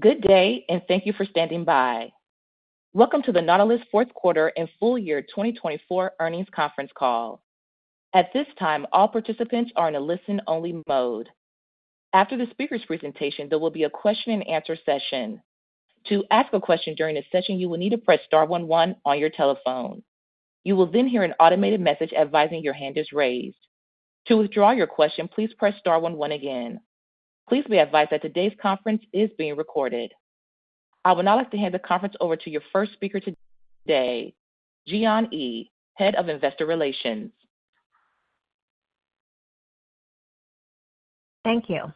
Good day, and thank you for standing by. Welcome to the Nautilus Fourth Quarter and full year 2024 earnings conference call. At this time, all participants are in a listen-only mode. After the speaker's presentation, there will be a question-and-answer session. To ask a question during this session, you will need to press * 11 on your telephone. You will then hear an automated message advising your hand is raised. To withdraw your question, please press * 11 again. Please be advised that today's conference is being recorded. I would now like to hand the conference over to your first speaker today, Ji-Yon Yi, Head of Investor Relations. Thank you.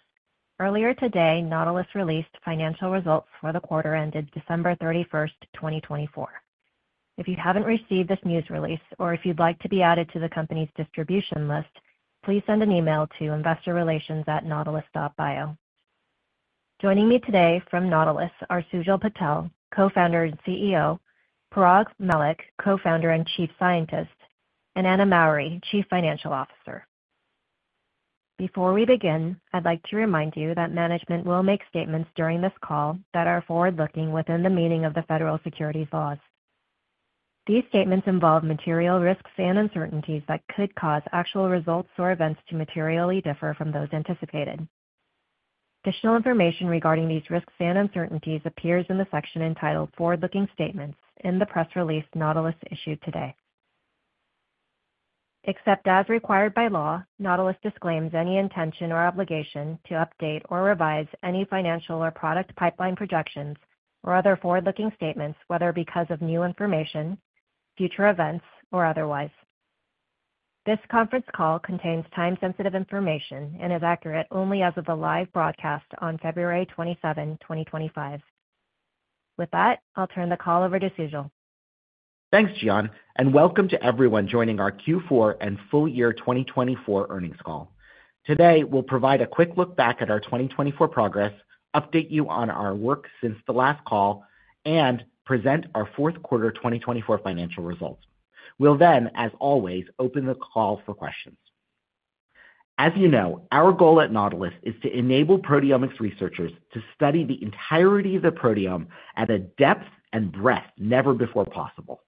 Earlier today, Nautilus released financial results for the quarter ended December 31, 2024. If you have not received this news release, or if you would like to be added to the company's distribution list, please send an email to investorrelations@nautilus.bio. Joining me today from Nautilus are Sujal Patel, Co-founder and CEO; Parag Mallick, Co-founder and Chief Scientist; and Anna Mowry, Chief Financial Officer. Before we begin, I would like to remind you that management will make statements during this call that are forward-looking within the meaning of the federal securities laws. These statements involve material risks and uncertainties that could cause actual results or events to materially differ from those anticipated. Additional information regarding these risks and uncertainties appears in the section entitled Forward-Looking Statements in the press release Nautilus issued today. Except as required by law, Nautilus disclaims any intention or obligation to update or revise any financial or product pipeline projections or other forward-looking statements, whether because of new information, future events, or otherwise. This conference call contains time-sensitive information and is accurate only as of the live broadcast on February 27, 2025. With that, I'll turn the call over to Sujal Patel. Thanks, Ji-Yon, and welcome to everyone joining our Q4 and full year 2024 earnings call. Today, we'll provide a quick look back at our 2024 progress, update you on our work since the last call, and present our fourth quarter 2024 financial results. We'll then, as always, open the call for questions. As you know, our goal at Nautilus is to enable proteomics researchers to study the entirety of the proteome at a depth and breadth never before possible,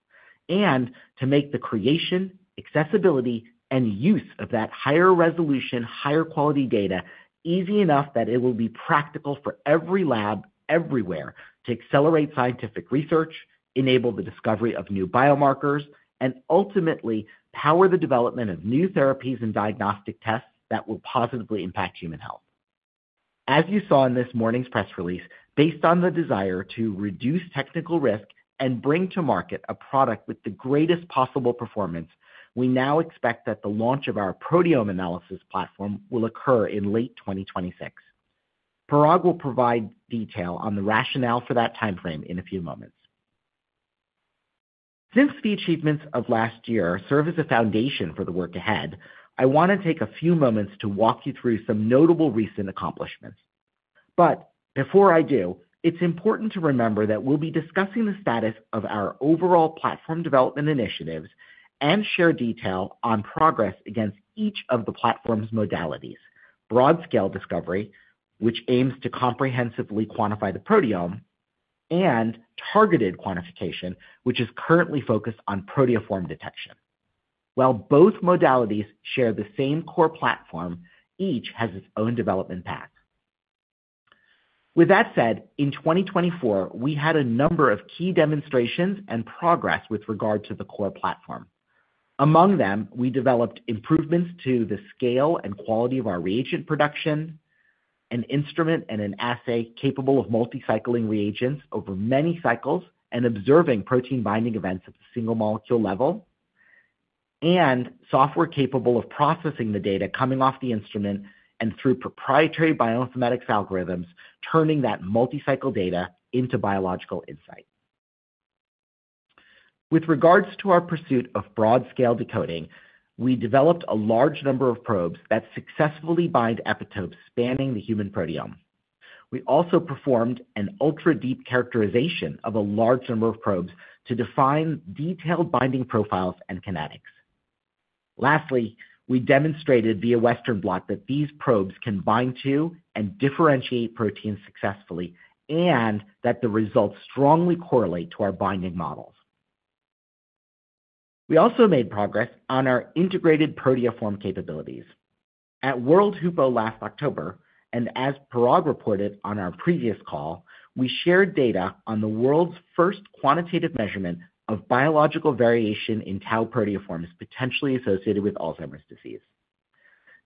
and to make the creation, accessibility, and use of that higher resolution, higher quality data easy enough that it will be practical for every lab everywhere to accelerate scientific research, enable the discovery of new biomarkers, and ultimately power the development of new therapies and diagnostic tests that will positively impact human health. As you saw in this morning's press release, based on the desire to reduce technical risk and bring to market a product with the greatest possible performance, we now expect that the launch of our proteome analysis platform will occur in late 2026. Parag Mallick will provide detail on the rationale for that timeframe in a few moments. Since the achievements of last year serve as a foundation for the work ahead, I want to take a few moments to walk you through some notable recent accomplishments. Before I do, it's important to remember that we'll be discussing the status of our overall platform development initiatives and share detail on progress against each of the platform's modalities: broad-scale discovery, which aims to comprehensively quantify the proteome, and targeted quantification, which is currently focused on proteoform detection. While both modalities share the same core platform, each has its own development path. With that said, in 2024, we had a number of key demonstrations and progress with regard to the core platform. Among them, we developed improvements to the scale and quality of our reagent production, an instrument and an assay capable of multi-cycling reagents over many cycles and observing protein-binding events at the single molecule level, and software capable of processing the data coming off the instrument and through proprietary bioinformatics algorithms, turning that multi-cycle data into biological insight. With regards to our pursuit of broad-scale decoding, we developed a large number of probes that successfully bind epitopes spanning the human proteome. We also performed an ultra-deep characterization of a large number of probes to define detailed binding profiles and kinetics. Lastly, we demonstrated via Western blot that these probes can bind to and differentiate proteins successfully, and that the results strongly correlate to our binding models. We also made progress on our integrated proteoform capabilities. At World HUPO last October, and as Parag Mallick reported on our previous call, we shared data on the world's first quantitative measurement of biological variation in tau proteoforms potentially associated with Alzheimer's disease.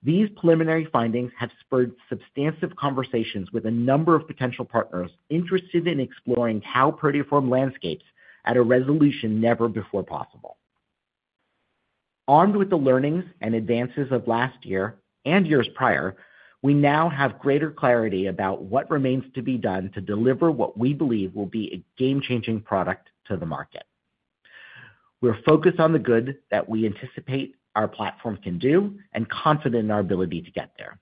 These preliminary findings have spurred substantive conversations with a number of potential partners interested in exploring tau proteoform landscapes at a resolution never before possible. Armed with the learnings and advances of last year and years prior, we now have greater clarity about what remains to be done to deliver what we believe will be a game-changing product to the market. We're focused on the good that we anticipate our platform can do and confident in our ability to get there.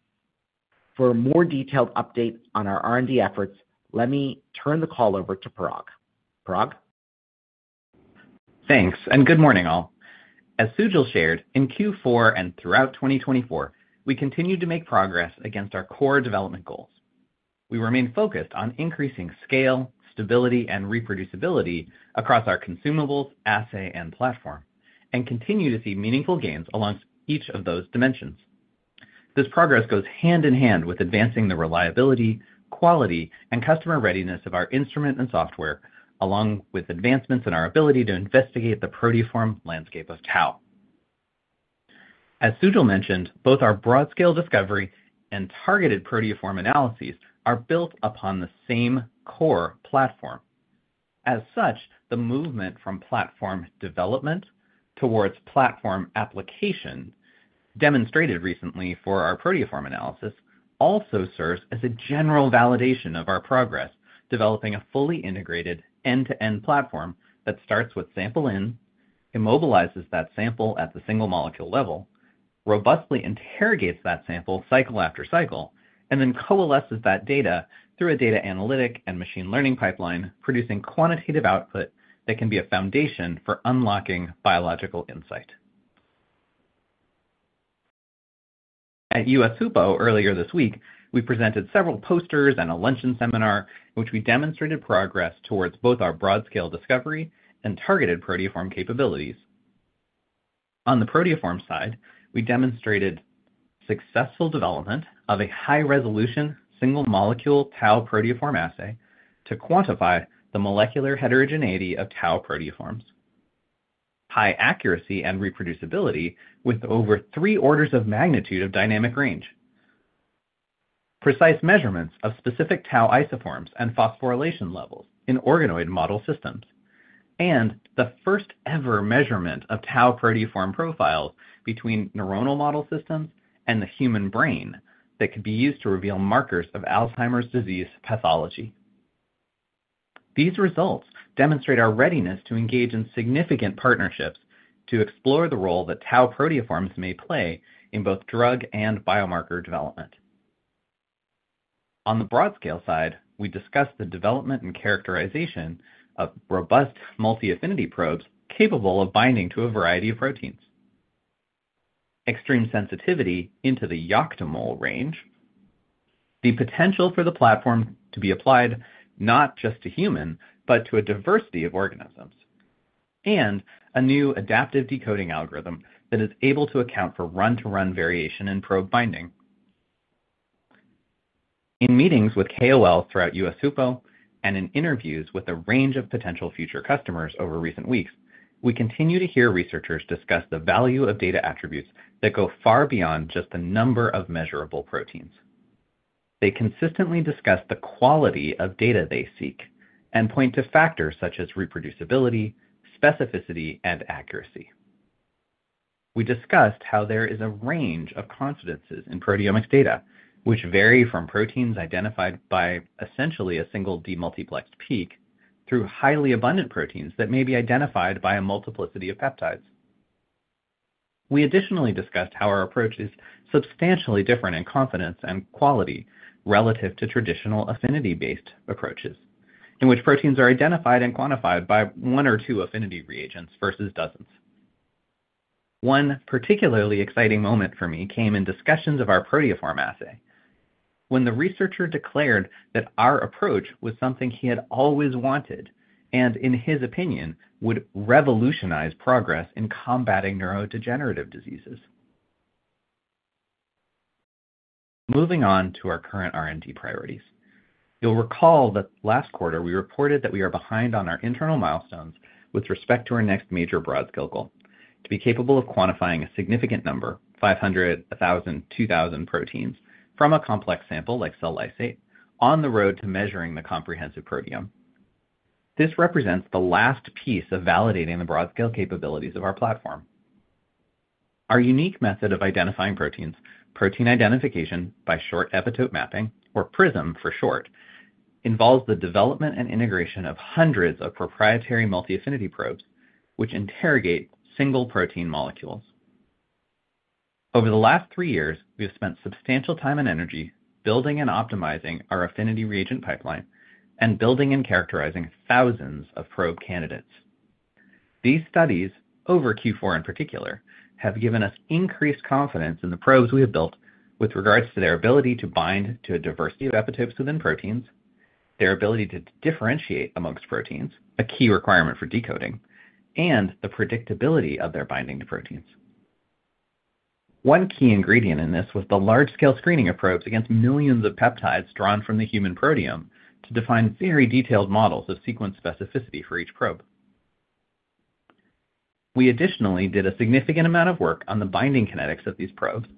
For a more detailed update on our R&D efforts, let me turn the call over to Parag Mallick. Parag Mallick. Thanks, and good morning, all. As Sujal Patel shared, in Q4 and throughout 2024, we continue to make progress against our core development goals. We remain focused on increasing scale, stability, and reproducibility across our consumables, assay, and platform, and continue to see meaningful gains along each of those dimensions. This progress goes hand in hand with advancing the reliability, quality, and customer readiness of our instrument and software, along with advancements in our ability to investigate the proteoform landscape of tau. As Sujal Patel mentioned, both our broad-scale discovery and targeted proteoform analyses are built upon the same core platform. As such, the movement from platform development towards platform application demonstrated recently for our proteoform analysis also serves as a general validation of our progress developing a fully integrated end-to-end platform that starts with sample in, immobilizes that sample at the single molecule level, robustly interrogates that sample cycle after cycle, and then coalesces that data through a data analytic and machine learning pipeline, producing quantitative output that can be a foundation for unlocking biological insight. At US HUPO earlier this week, we presented several posters and a luncheon seminar in which we demonstrated progress towards both our broad-scale discovery and targeted proteoform capabilities. On the proteoform side, we demonstrated successful development of a high-resolution single molecule tau proteoform assay to quantify the molecular heterogeneity of tau proteoforms, high accuracy and reproducibility with over three orders of magnitude of dynamic range, precise measurements of specific tau isoforms and phosphorylation levels in organoid model systems, and the first-ever measurement of tau proteoform profiles between neuronal model systems and the human brain that could be used to reveal markers of Alzheimer's disease pathology. These results demonstrate our readiness to engage in significant partnerships to explore the role that tau proteoforms may play in both drug and biomarker development. On the broad-scale side, we discussed the development and characterization of robust multi-affinity probes capable of binding to a variety of proteins, extreme sensitivity into the yoctomolar range, the potential for the platform to be applied not just to human, but to a diversity of organisms, and a new adaptive decoding algorithm that is able to account for run-to-run variation in probe binding. In meetings with KOL throughout US HUPO and in interviews with a range of potential future customers over recent weeks, we continue to hear researchers discuss the value of data attributes that go far beyond just the number of measurable proteins. They consistently discuss the quality of data they seek and point to factors such as reproducibility, specificity, and accuracy. We discussed how there is a range of confidences in proteomics data, which vary from proteins identified by essentially a single demultiplexed peak through highly abundant proteins that may be identified by a multiplicity of peptides. We additionally discussed how our approach is substantially different in confidence and quality relative to traditional affinity-based approaches, in which proteins are identified and quantified by one or two affinity reagents versus dozens. One particularly exciting moment for me came in discussions of our proteoform assay, when the researcher declared that our approach was something he had always wanted and, in his opinion, would revolutionize progress in combating neurodegenerative diseases. Moving on to our current R&D priorities, you'll recall that last quarter we reported that we are behind on our internal milestones with respect to our next major broad-scale goal: to be capable of quantifying a significant number, 500, 1,000, 2,000 proteins from a complex sample like cell lysate, on the road to measuring the comprehensive proteome. This represents the last piece of validating the broad-scale capabilities of our platform. Our unique method of identifying proteins, protein identification by short epitope mapping, or PRISM for short, involves the development and integration of hundreds of proprietary multi-affinity probes, which interrogate single protein molecules. Over the last three years, we have spent substantial time and energy building and optimizing our affinity reagent pipeline and building and characterizing thousands of probe candidates. These studies, over Q4 in particular, have given us increased confidence in the probes we have built with regards to their ability to bind to a diversity of epitopes within proteins, their ability to differentiate amongst proteins, a key requirement for decoding, and the predictability of their binding to proteins. One key ingredient in this was the large-scale screening of probes against millions of peptides drawn from the human proteome to define very detailed models of sequence specificity for each probe. We additionally did a significant amount of work on the binding kinetics of these probes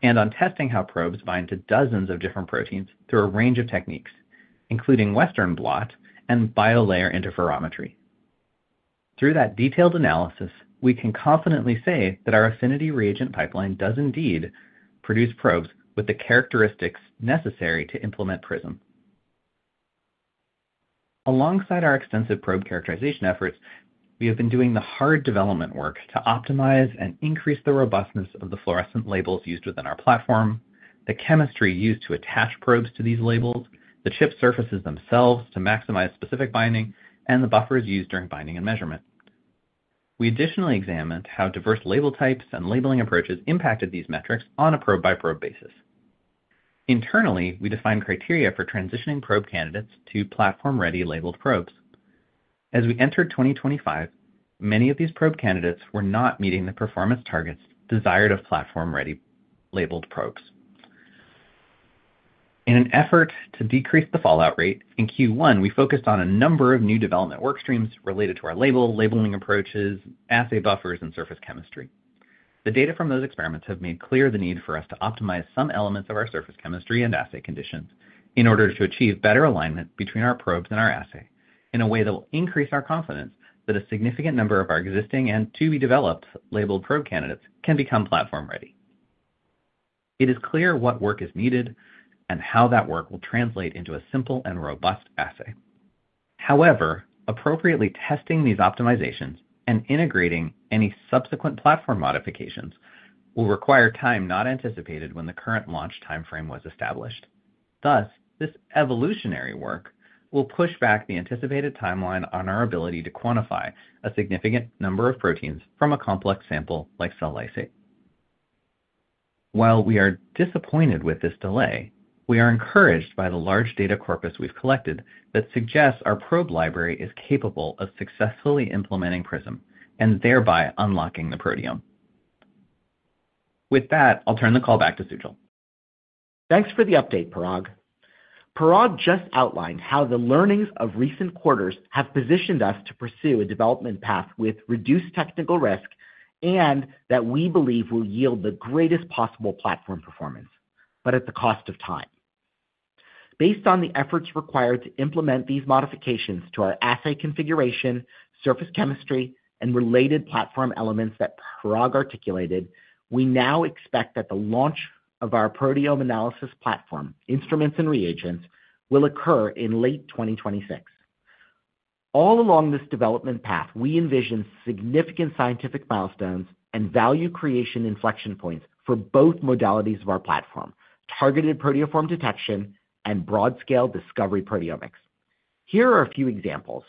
and on testing how probes bind to dozens of different proteins through a range of techniques, including Western blot and biolayer interferometry. Through that detailed analysis, we can confidently say that our affinity reagent pipeline does indeed produce probes with the characteristics necessary to implement PRISM. Alongside our extensive probe characterization efforts, we have been doing the hard development work to optimize and increase the robustness of the fluorescent labels used within our platform, the chemistry used to attach probes to these labels, the chip surfaces themselves to maximize specific binding, and the buffers used during binding and measurement. We additionally examined how diverse label types and labeling approaches impacted these metrics on a probe-by-probe basis. Internally, we defined criteria for transitioning probe candidates to platform-ready labeled probes. As we entered 2025, many of these probe candidates were not meeting the performance targets desired of platform-ready labeled probes. In an effort to decrease the fallout rate, in Q1, we focused on a number of new development workstreams related to our label, labeling approaches, assay buffers, and surface chemistry. The data from those experiments have made clear the need for us to optimize some elements of our surface chemistry and assay conditions in order to achieve better alignment between our probes and our assay in a way that will increase our confidence that a significant number of our existing and to-be-developed labeled probe candidates can become platform-ready. It is clear what work is needed and how that work will translate into a simple and robust assay. However, appropriately testing these optimizations and integrating any subsequent platform modifications will require time not anticipated when the current launch timeframe was established. Thus, this evolutionary work will push back the anticipated timeline on our ability to quantify a significant number of proteins from a complex sample like cell lysate. While we are disappointed with this delay, we are encouraged by the large data corpus we've collected that suggests our probe library is capable of successfully implementing PRISM and thereby unlocking the proteome. With that, I'll turn the call back to Sujal Patel. Thanks for the update, Parag Mallick. Parag Mallick just outlined how the learnings of recent quarters have positioned us to pursue a development path with reduced technical risk and that we believe will yield the greatest possible platform performance, but at the cost of time. Based on the efforts required to implement these modifications to our assay configuration, surface chemistry, and related platform elements that Parag Mallick articulated, we now expect that the launch of our proteome analysis platform, instruments and reagents, will occur in late 2026. All along this development path, we envision significant scientific milestones and value creation inflection points for both modalities of our platform, targeted proteoform detection and broad-scale discovery proteomics. Here are a few examples.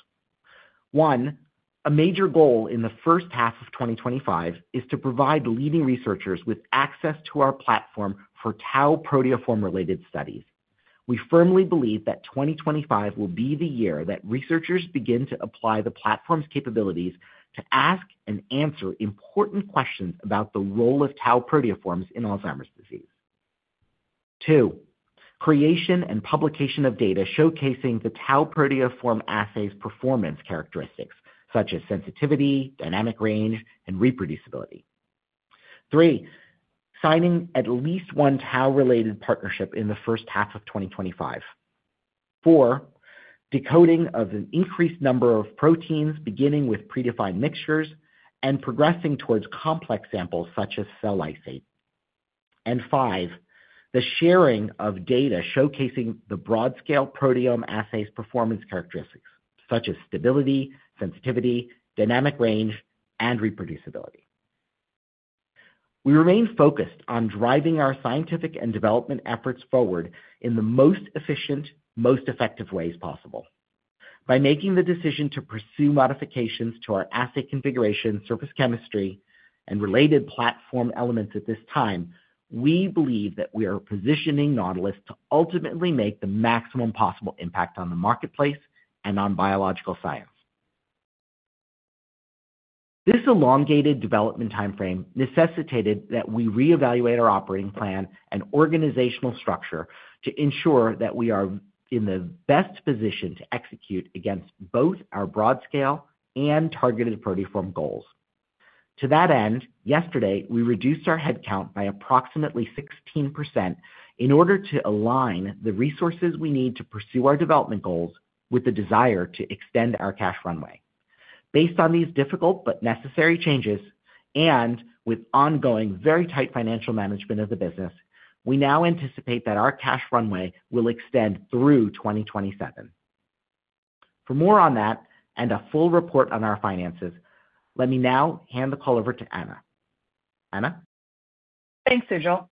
One, a major goal in the first half of 2025 is to provide leading researchers with access to our platform for tau proteoform-related studies. We firmly believe that 2025 will be the year that researchers begin to apply the platform's capabilities to ask and answer important questions about the role of tau proteoforms in Alzheimer's disease. Two, creation and publication of data showcasing the tau proteoform assay's performance characteristics, such as sensitivity, dynamic range, and reproducibility. Three, signing at least one tau-related partnership in the first half of 2025. Four, decoding of an increased number of proteins beginning with predefined mixtures and progressing towards complex samples such as cell lysate. Five, the sharing of data showcasing the broad-scale proteome assay's performance characteristics, such as stability, sensitivity, dynamic range, and reproducibility. We remain focused on driving our scientific and development efforts forward in the most efficient, most effective ways possible. By making the decision to pursue modifications to our assay configuration, surface chemistry, and related platform elements at this time, we believe that we are positioning Nautilus to ultimately make the maximum possible impact on the marketplace and on biological science. This elongated development timeframe necessitated that we reevaluate our operating plan and organizational structure to ensure that we are in the best position to execute against both our broad-scale and targeted proteoform goals. To that end, yesterday, we reduced our headcount by approximately 16% in order to align the resources we need to pursue our development goals with the desire to extend our cash runway. Based on these difficult but necessary changes and with ongoing very tight financial management of the business, we now anticipate that our cash runway will extend through 2027. For more on that and a full report on our finances, let me now hand the call over to Anna Mowry. Anna Mowry? Thanks, Sujal Patel.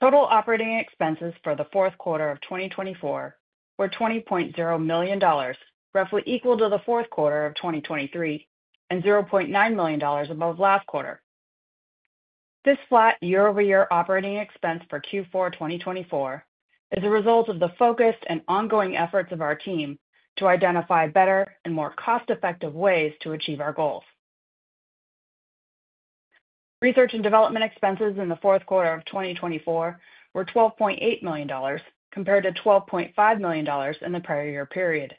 Total operating expenses for the fourth quarter of 2024 were $20.0 million, roughly equal to the fourth quarter of 2023 and $0.9 million above last quarter. This flat year-over-year operating expense for Q4 2024 is a result of the focused and ongoing efforts of our team to identify better and more cost-effective ways to achieve our goals. Research and development expenses in the fourth quarter of 2024 were $12.8 million compared to $12.5 million in the prior year period.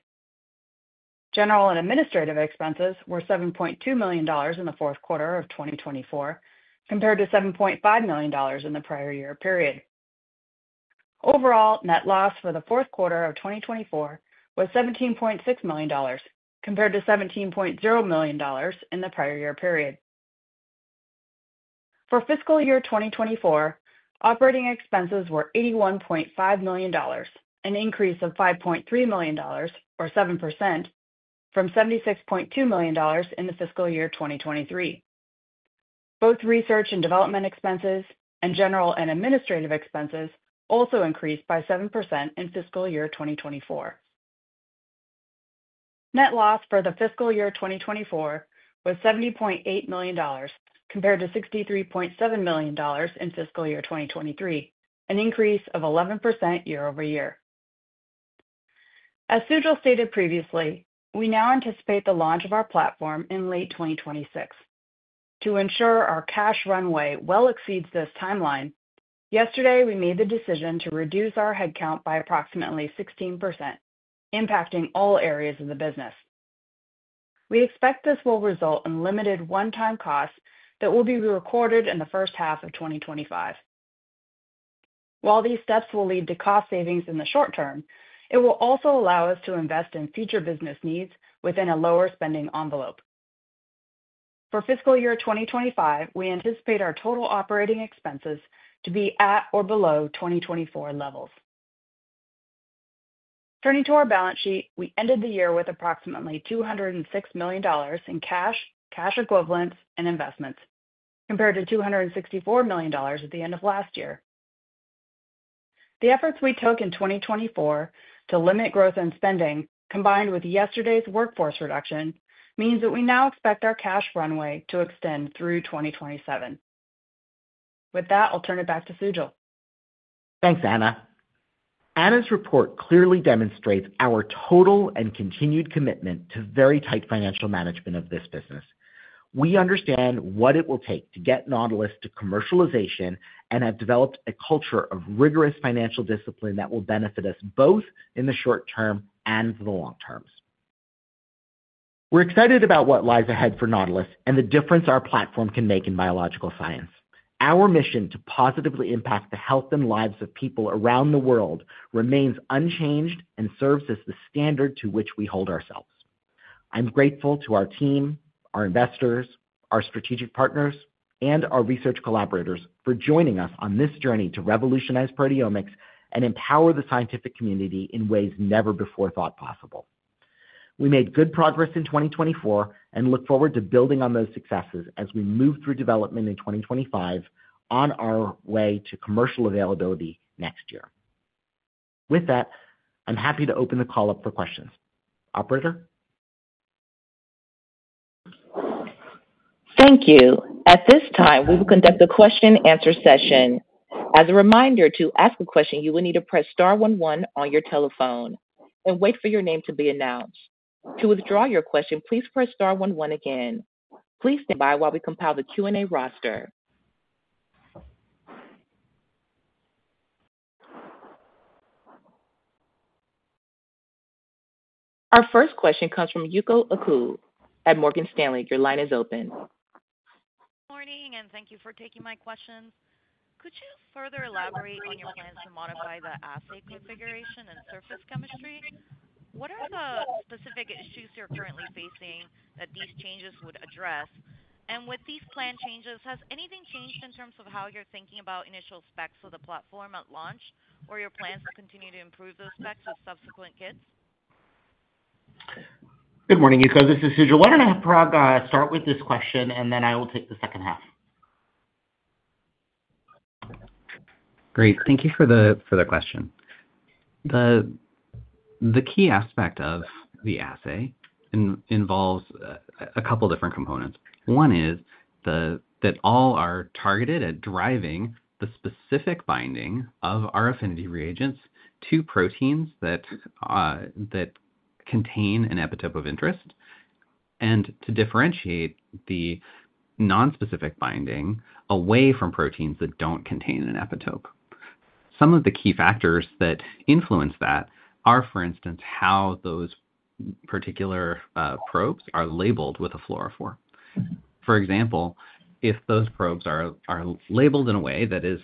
General and administrative expenses were $7.2 million in the fourth quarter of 2024 compared to $7.5 million in the prior year period. Overall, net loss for the fourth quarter of 2024 was $17.6 million compared to $17.0 million in the prior year period. For fiscal year 2024, operating expenses were $81.5 million, an increase of $5.3 million, or 7%, from $76.2 million in the fiscal year 2023. Both research and development expenses and general and administrative expenses also increased by 7% in fiscal year 2024. Net loss for the fiscal year 2024 was $70.8 million compared to $63.7 million in fiscal year 2023, an increase of 11% year-over-year. As Sujal Patel stated previously, we now anticipate the launch of our platform in late 2026. To ensure our cash runway well exceeds this timeline, yesterday, we made the decision to reduce our headcount by approximately 16%, impacting all areas of the business. We expect this will result in limited one-time costs that will be recorded in the first half of 2025. While these steps will lead to cost savings in the short term, it will also allow us to invest in future business needs within a lower spending envelope. For fiscal year 2025, we anticipate our total operating expenses to be at or below 2024 levels. Turning to our balance sheet, we ended the year with approximately $206 million in cash, cash equivalents, and investments, compared to $264 million at the end of last year. The efforts we took in 2024 to limit growth and spending, combined with yesterday's workforce reduction, means that we now expect our cash runway to extend through 2027. With that, I'll turn it back to Sujal Patel. Thanks, Anna Mowry. Anna Mowry's report clearly demonstrates our total and continued commitment to very tight financial management of this business. We understand what it will take to get Nautilus to commercialization and have developed a culture of rigorous financial discipline that will benefit us both in the short term and the long term. We're excited about what lies ahead for Nautilus and the difference our platform can make in biological science. Our mission to positively impact the health and lives of people around the world remains unchanged and serves as the standard to which we hold ourselves. I'm grateful to our team, our investors, our strategic partners, and our research collaborators for joining us on this journey to revolutionize proteomics and empower the scientific community in ways never before thought possible. We made good progress in 2024 and look forward to building on those successes as we move through development in 2025 on our way to commercial availability next year. With that, I'm happy to open the call up for questions. Operator? Thank you. At this time, we will conduct a question-and-answer session. As a reminder, to ask a question, you will need to press * 11 on your telephone and wait for your name to be announced. To withdraw your question, please press * 11 again. Please stand by while we compile the Q&A roster. Our first question comes from Yuko Oku at Morgan Stanley. Your line is open. Good morning, and thank you for taking my questions. Could you further elaborate on your plans to modify the assay configuration and surface chemistry? What are the specific issues you're currently facing that these changes would address? With these plan changes, has anything changed in terms of how you're thinking about initial specs of the platform at launch or your plans to continue to improve those specs with subsequent kits? Good morning, Yuko Oku. This is Sujal Patel. Why don't I have Parag Mallick start with this question, and then I will take the second half. Great. Thank you for the question. The key aspect of the assay involves a couple of different components. One is that all are targeted at driving the specific binding of our affinity reagents to proteins that contain an epitope of interest and to differentiate the nonspecific binding away from proteins that do not contain an epitope. Some of the key factors that influence that are, for instance, how those particular probes are labeled with a fluorophore. For example, if those probes are labeled in a way that is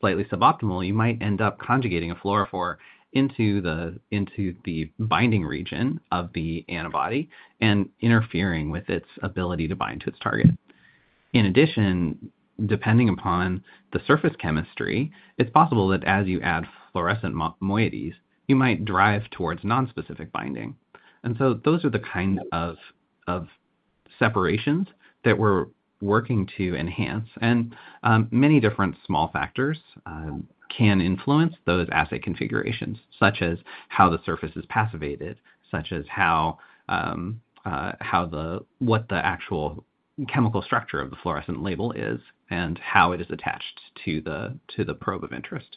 slightly suboptimal, you might end up conjugating a fluorophore into the binding region of the antibody and interfering with its ability to bind to its target. In addition, depending upon the surface chemistry, it is possible that as you add fluorescent moieties, you might drive towards nonspecific binding. Those are the kinds of separations that we are working to enhance. Many different small factors can influence those assay configurations, such as how the surface is passivated, such as what the actual chemical structure of the fluorescent label is, and how it is attached to the probe of interest.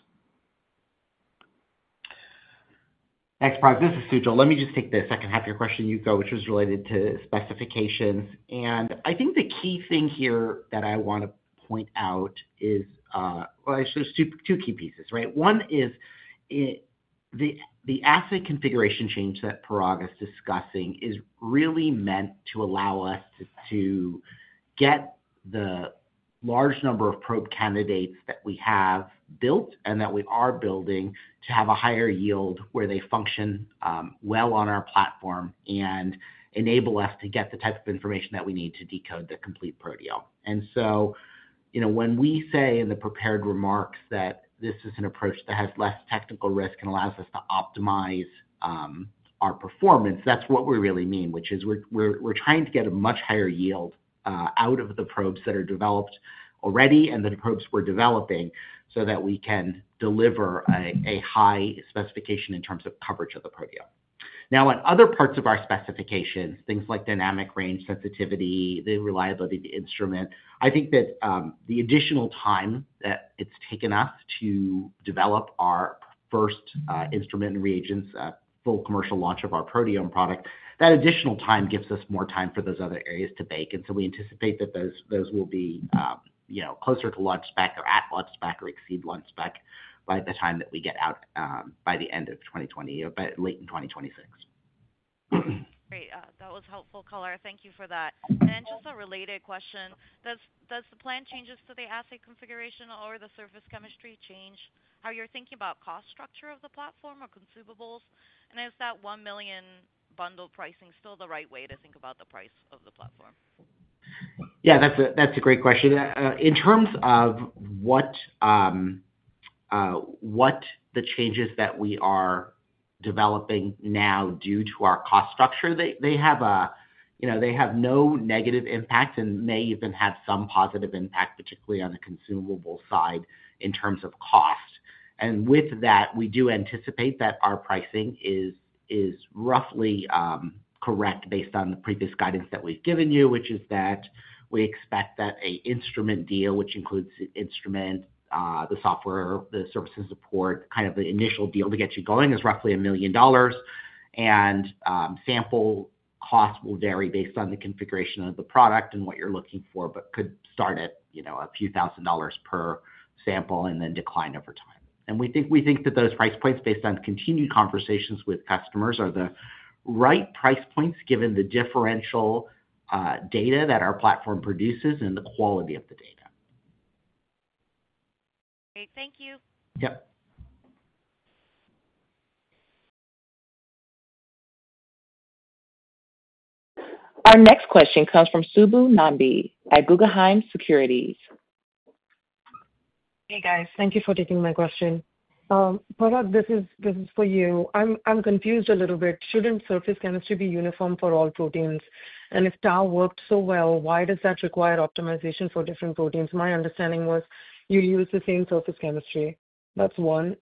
Thanks, Parag Mallick. This is Sujal Patel. Let me just take the second half of your question, Yuko Oku, which was related to specifications. I think the key thing here that I want to point out is, actually, there are two key pieces. One is the assay configuration change that Parag Mallick is discussing is really meant to allow us to get the large number of probe candidates that we have built and that we are building to have a higher yield where they function well on our platform and enable us to get the type of information that we need to decode the complete proteome. When we say in the prepared remarks that this is an approach that has less technical risk and allows us to optimize our performance, that's what we really mean, which is we're trying to get a much higher yield out of the probes that are developed already and the probes we're developing so that we can deliver a high specification in terms of coverage of the proteome. Now, in other parts of our specifications, things like dynamic range, sensitivity, the reliability of the instrument, I think that the additional time that it's taken us to develop our first instrument and reagents, full commercial launch of our proteome product, that additional time gives us more time for those other areas to bake. We anticipate that those will be closer to launch spec or at launch spec or exceed launch spec by the time that we get out by the end of 2026. Great. That was helpful, Sujal. Thank you for that. Just a related question. Does the plan changes to the assay configuration or the surface chemistry change how you're thinking about cost structure of the platform or consumables? Is that $1 million bundle pricing still the right way to think about the price of the platform? Yeah, that's a great question. In terms of what the changes that we are developing now do to our cost structure, they have no negative impact and may even have some positive impact, particularly on the consumable side in terms of cost. With that, we do anticipate that our pricing is roughly correct based on the previous guidance that we've given you, which is that we expect that an instrument deal, which includes the instrument, the software, the services support, kind of the initial deal to get you going, is roughly $1 million. Sample cost will vary based on the configuration of the product and what you're looking for, but could start at a few thousand dollars per sample and then decline over time. We think that those price points based on continued conversations with customers are the right price points given the differential data that our platform produces and the quality of the data. Great. Thank you. Yep. Our next question comes from Subbu Nambi at Guggenheim Securities. Hey, guys. Thank you for taking my question. Parag Mallick, this is for you. I'm confused a little bit. Shouldn't surface chemistry be uniform for all proteins? If tau worked so well, why does that require optimization for different proteins? My understanding was you'll use the same surface chemistry. That's one.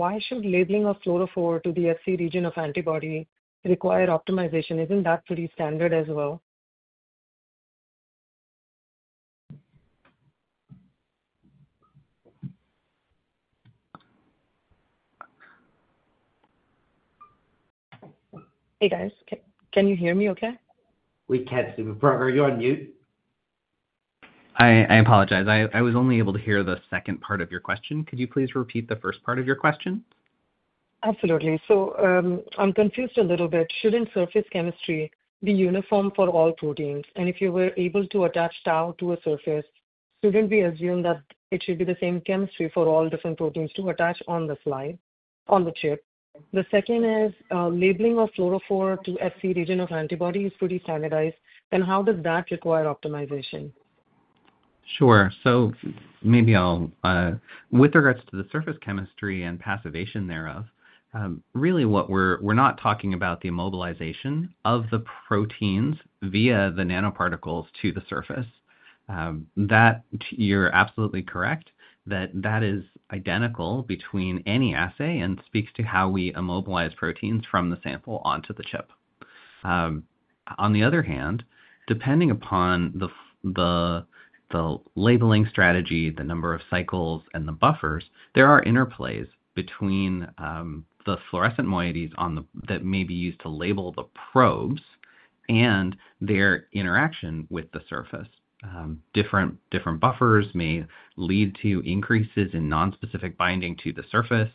Why should labeling of fluorophore to the Fc region of antibody require optimization? Isn't that pretty standard as well? Hey, guys. Can you hear me okay? We can, Subbu Nambi. Parag Mallick, are you on mute? I apologize. I was only able to hear the second part of your question. Could you please repeat the first part of your question? Absolutely. I'm confused a little bit. Shouldn't surface chemistry be uniform for all proteins? If you were able to attach tau to a surface, shouldn't we assume that it should be the same chemistry for all different proteins to attach on the slide, on the chip? The second is labeling of fluorophore to Fc region of antibody is pretty standardized. How does that require optimization? Sure. Maybe I'll, with regards to the surface chemistry and passivation thereof, really what we're not talking about is the immobilization of the proteins via the nanoparticles to the surface. You're absolutely correct that that is identical between any assay and speaks to how we immobilize proteins from the sample onto the chip. On the other hand, depending upon the labeling strategy, the number of cycles, and the buffers, there are interplays between the fluorescent moieties that may be used to label the probes and their interaction with the surface. Different buffers may lead to increases in nonspecific binding to the surface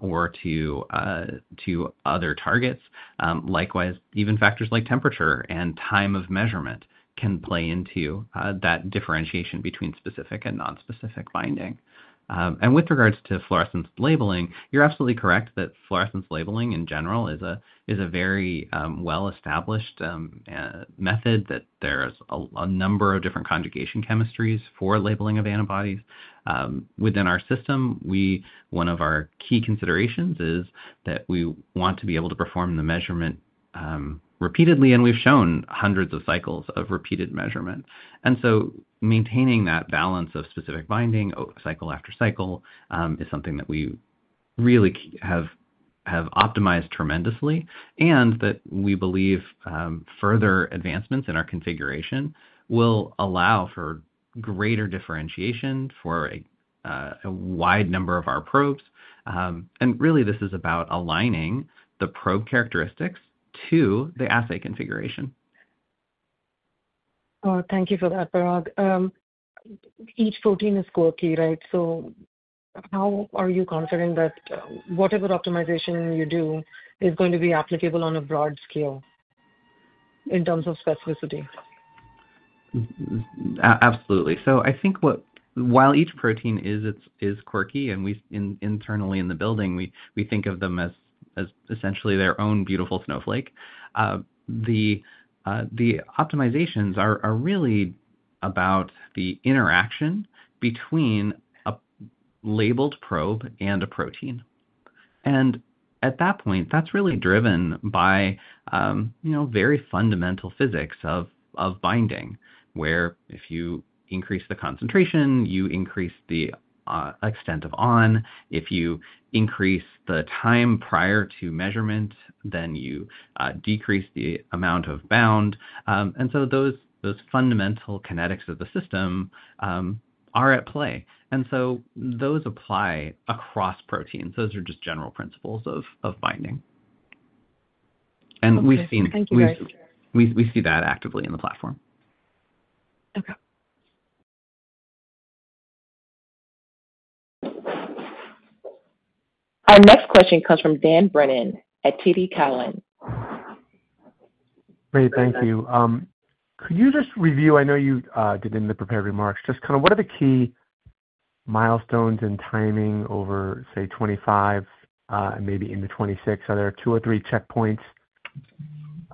or to other targets. Likewise, even factors like temperature and time of measurement can play into that differentiation between specific and nonspecific binding. With regards to fluorescence labeling, you're absolutely correct that fluorescence labeling in general is a very well-established method that there's a number of different conjugation chemistries for labeling of antibodies. Within our system, one of our key considerations is that we want to be able to perform the measurement repeatedly, and we've shown hundreds of cycles of repeated measurement. Maintaining that balance of specific binding cycle after cycle is something that we really have optimized tremendously and that we believe further advancements in our configuration will allow for greater differentiation for a wide number of our probes. This is about aligning the probe characteristics to the assay configuration. Oh, thank you for that, Parag Mallick. Each protein is quirky, right? So how are you confident that whatever optimization you do is going to be applicable on a broad scale in terms of specificity? Absolutely. I think while each protein is quirky, and internally in the building, we think of them as essentially their own beautiful snowflake, the optimizations are really about the interaction between a labeled probe and a protein. At that point, that's really driven by very fundamental physics of binding, where if you increase the concentration, you increase the extent of on. If you increase the time prior to measurement, then you decrease the amount of bound. Those fundamental kinetics of the system are at play. Those apply across proteins. Those are just general principles of binding. We see that actively in the platform. Okay. Our next question comes from Daniel Brennan at TD Cowen. Great. Thank you. Could you just review, I know you did in the prepared remarks, just kind of what are the key milestones in timing over, say, 2025 and maybe into 2026? Are there two or three checkpoints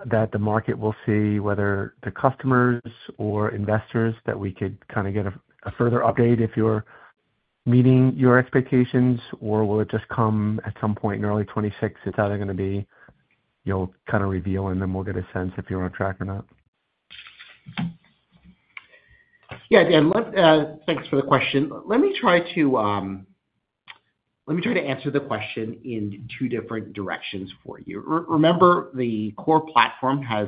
that the market will see, whether to customers or investors, that we could kind of get a further update if you're meeting your expectations, or will it just come at some point in early 2026? It's either going to be you'll kind of reveal, and then we'll get a sense if you're on track or not. Yeah. Thanks for the question. Let me try to answer the question in two different directions for you. Remember, the core platform has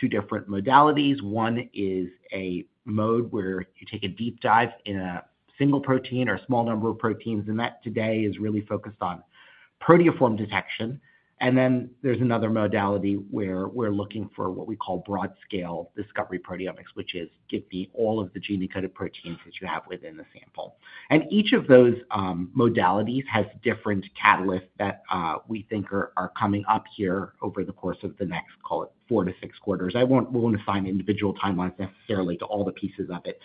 two different modalities. One is a mode where you take a deep dive in a single protein or a small number of proteins, and that today is really focused on proteoform detection. There is another modality where we're looking for what we call broad-scale discovery proteomics, which is give me all of the gene-encoded proteins that you have within the sample. Each of those modalities has different catalysts that we think are coming up here over the course of the next, call it, four to six quarters. I won't assign individual timelines necessarily to all the pieces of it.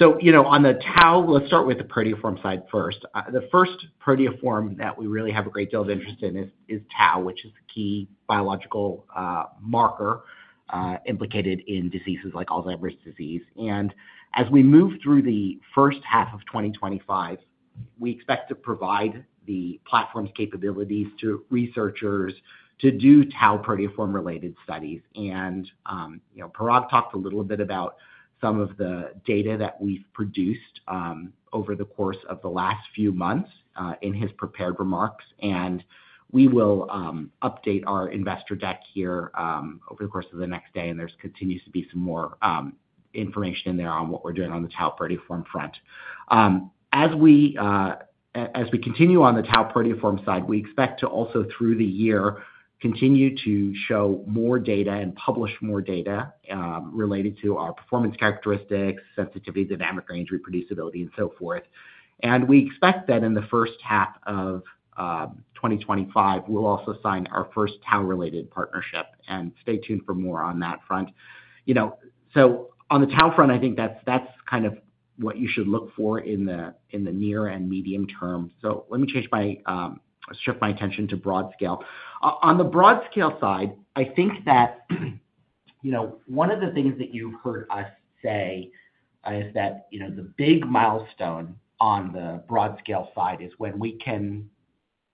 On the tau, let's start with the proteoform side first. The first proteoform that we really have a great deal of interest in is tau, which is the key biological marker implicated in diseases like Alzheimer's disease. As we move through the first half of 2025, we expect to provide the platform's capabilities to researchers to do tau proteoform-related studies. Parag Mallick talked a little bit about some of the data that we've produced over the course of the last few months in his prepared remarks. We will update our investor deck here over the course of the next day. There continues to be some more information in there on what we're doing on the tau proteoform front. As we continue on the tau proteoform side, we expect to also, through the year, continue to show more data and publish more data related to our performance characteristics, sensitivity, dynamic range, reproducibility, and so forth. We expect that in the first half of 2025, we'll also sign our first tau-related partnership. Stay tuned for more on that front. On the tau front, I think that's kind of what you should look for in the near and medium term. Let me shift my attention to broad scale. On the broad scale side, I think that one of the things that you've heard us say is that the big milestone on the broad scale side is when we can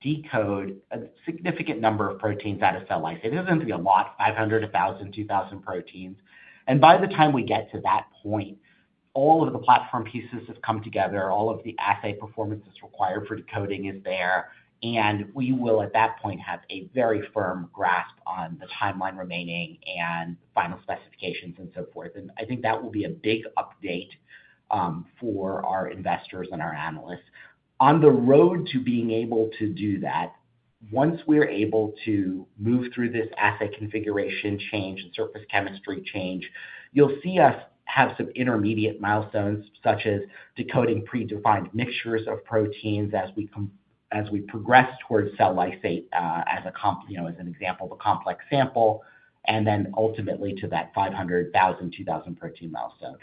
decode a significant number of proteins out of cell lysate. It doesn't have to be a lot, 500, 1,000, 2,000 proteins. By the time we get to that point, all of the platform pieces have come together. All of the assay performance that's required for decoding is there. We will, at that point, have a very firm grasp on the timeline remaining and final specifications and so forth. I think that will be a big update for our investors and our analysts. On the road to being able to do that, once we're able to move through this assay configuration change and surface chemistry change, you'll see us have some intermediate milestones, such as decoding predefined mixtures of proteins as we progress towards cell lysate, as an example, the complex sample, and then ultimately to that 500, 1,000, 2,000 protein milestone.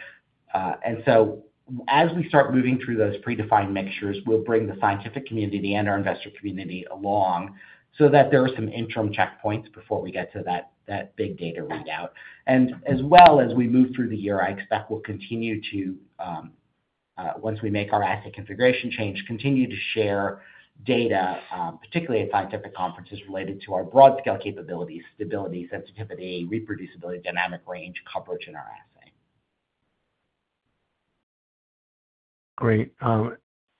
As we start moving through those predefined mixtures, we'll bring the scientific community and our investor community along so that there are some interim checkpoints before we get to that big data readout. As well as we move through the year, I expect we'll continue to, once we make our assay configuration change, continue to share data, particularly at scientific conferences related to our broad-scale capabilities, stability, sensitivity, reproducibility, dynamic range, coverage in our assay. Great.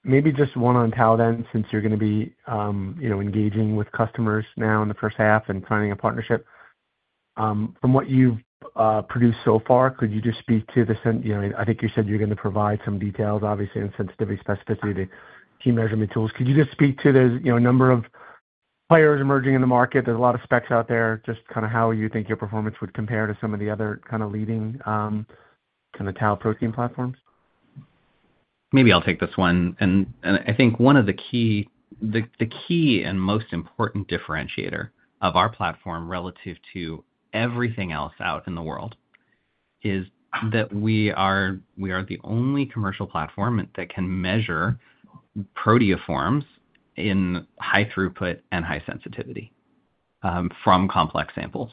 Maybe just one on tau then, since you're going to be engaging with customers now in the first half and signing a partnership. From what you've produced so far, could you just speak to the I think you said you're going to provide some details, obviously, on sensitivity, specificity, the key measurement tools. Could you just speak to there's a number of players emerging in the market? There's a lot of specs out there. Just kind of how you think your performance would compare to some of the other kind of leading kind of tau protein platforms? Maybe I'll take this one. I think one of the key and most important differentiators of our platform relative to everything else out in the world is that we are the only commercial platform that can measure proteoforms in high throughput and high sensitivity from complex samples.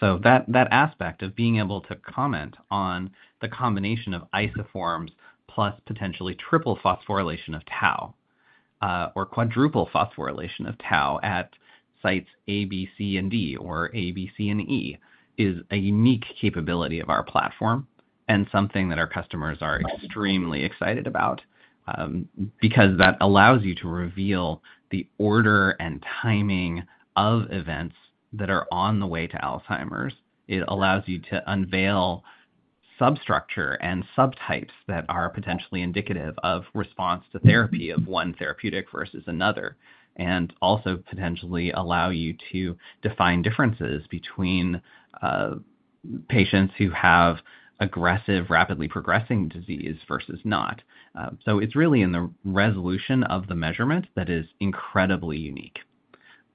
That aspect of being able to comment on the combination of isoforms plus potentially triple phosphorylation of tau or quadruple phosphorylation of tau at sites A, B, C, and D, or A, B, C, and E is a unique capability of our platform and something that our customers are extremely excited about because that allows you to reveal the order and timing of events that are on the way to Alzheimer's. It allows you to unveil substructure and subtypes that are potentially indicative of response to therapy of one therapeutic versus another, and also potentially allow you to define differences between patients who have aggressive, rapidly progressing disease versus not. It is really in the resolution of the measurement that is incredibly unique.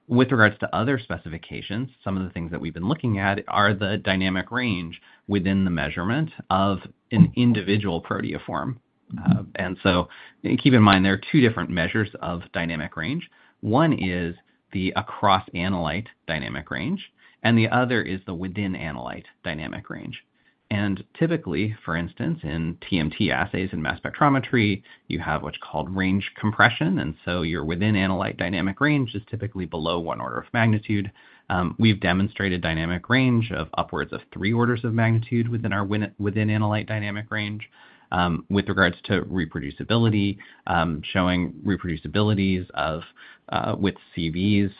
With regards to other specifications, some of the things that we have been looking at are the dynamic range within the measurement of an individual proteoform. Keep in mind, there are two different measures of dynamic range. One is the across-analyte dynamic range, and the other is the within-analyte dynamic range. Typically, for instance, in TMT assays and mass spectrometry, you have what is called range compression. Your within-analyte dynamic range is typically below one order of magnitude. We've demonstrated dynamic range of upwards of three orders of magnitude within our within-analyte dynamic range with regards to reproducibility, showing reproducibilities with CVs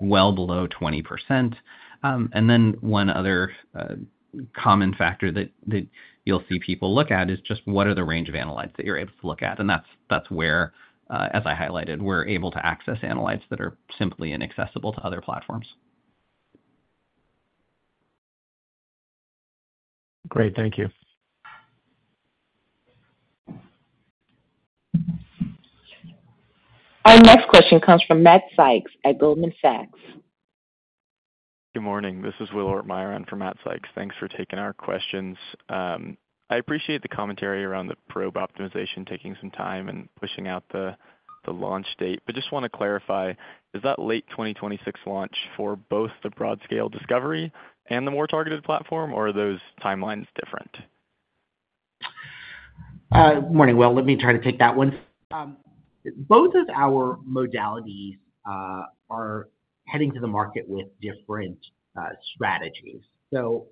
well below 20%. One other common factor that you'll see people look at is just what are the range of analytes that you're able to look at. That's where, as I highlighted, we're able to access analytes that are simply inaccessible to other platforms. Great. Thank you. Our next question comes from Matt Sykes at Goldman Sachs. Good morning. This is William Ortmayer from Matt Sykes. Thanks for taking our questions. I appreciate the commentary around the probe optimization taking some time and pushing out the launch date. I just want to clarify, is that late 2026 launch for both the broad-scale discovery and the more targeted platform, or are those timelines different? Good morning. Let me try to take that one. Both of our modalities are heading to the market with different strategies. Let's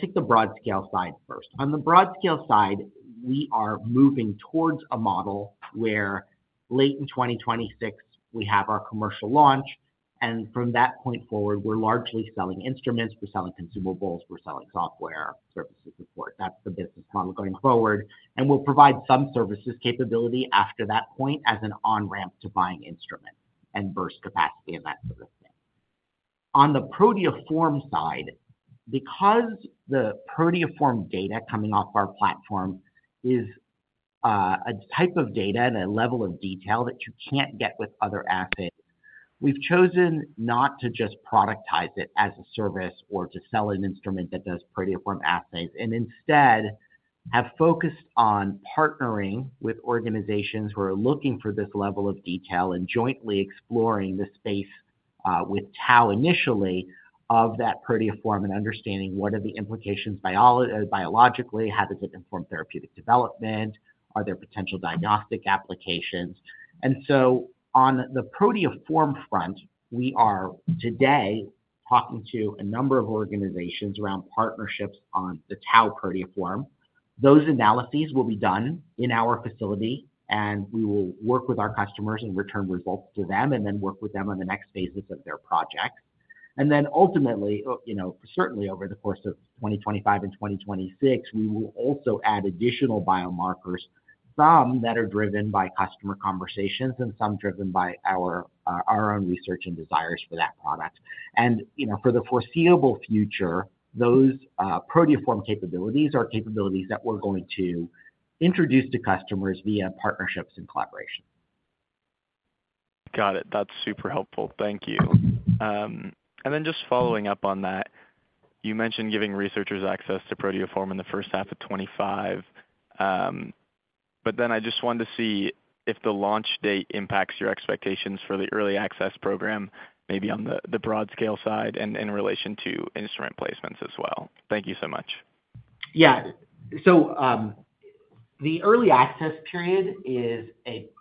take the broad-scale side first. On the broad-scale side, we are moving towards a model where late in 2026, we have our commercial launch. From that point forward, we're largely selling instruments. We're selling consumables. We're selling software, services, support. That's the business model going forward. We'll provide some services capability after that point as an on-ramp to buying instruments and burst capacity and that sort of thing. On the proteoform side, because the proteoform data coming off our platform is a type of data and a level of detail that you can't get with other assets, we've chosen not to just productize it as a service or to sell an instrument that does proteoform assays, and instead have focused on partnering with organizations who are looking for this level of detail and jointly exploring the space with tau initially of that proteoform and understanding what are the implications biologically, how does it inform therapeutic development, are there potential diagnostic applications. On the proteoform front, we are today talking to a number of organizations around partnerships on the tau proteoform. Those analyses will be done in our facility, and we will work with our customers and return results to them and then work with them on the next phases of their projects. Ultimately, certainly over the course of 2025 and 2026, we will also add additional biomarkers, some that are driven by customer conversations and some driven by our own research and desires for that product. For the foreseeable future, those proteoform capabilities are capabilities that we're going to introduce to customers via partnerships and collaboration. Got it. That's super helpful. Thank you. Just following up on that, you mentioned giving researchers access to proteoform in the first half of 2025. I just wanted to see if the launch date impacts your expectations for the early access program, maybe on the broad-scale side and in relation to instrument placements as well. Thank you so much. Yeah. The early access period is,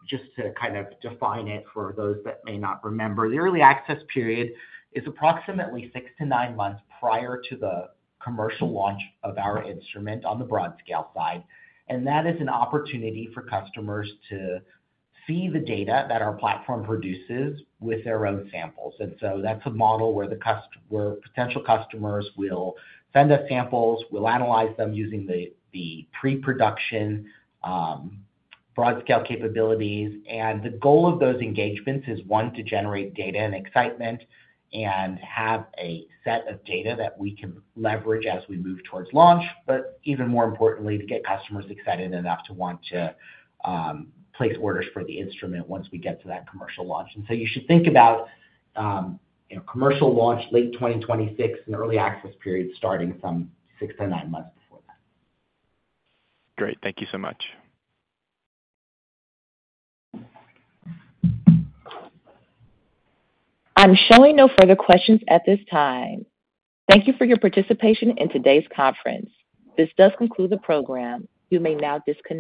just to kind of define it for those that may not remember, the early access period is approximately six to nine months prior to the commercial launch of our instrument on the broad-scale side. That is an opportunity for customers to see the data that our platform produces with their own samples. That is a model where potential customers will send us samples, we will analyze them using the pre-production broad-scale capabilities. The goal of those engagements is, one, to generate data and excitement and have a set of data that we can leverage as we move towards launch, but even more importantly, to get customers excited enough to want to place orders for the instrument once we get to that commercial launch. You should think about commercial launch late 2026 and early access period starting from six to nine months before that. Great. Thank you so much. I'm showing no further questions at this time. Thank you for your participation in today's conference. This does conclude the program. You may now disconnect.